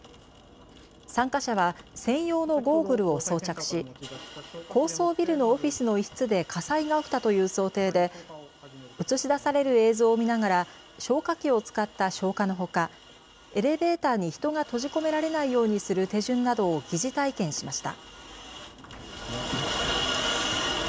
参加者は専用のゴーグルを装着し高層ビルのオフィスの一室で火災が起きたという想定で映し出される映像を見ながら消火器を使った消火のほかエレベーターに人が閉じ込められないようにする手順などを疑似体験しました。